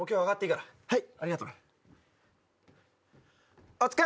はい。